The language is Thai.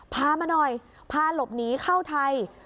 พามาหน่อยพาหลบหนีเข้าไทย